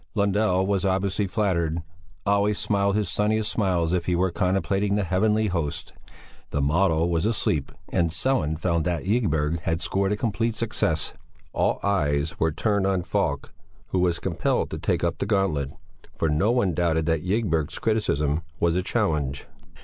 Lundell was obviously flattered. Olle smiled his sunniest smile as if he were contemplating the heavenly hosts; the model was asleep and Sellén found that Ygberg had scored a complete success. All eyes were turned on Falk who was compelled to take up the gauntlet, for no one doubted that Ygberg's criticism was a challenge.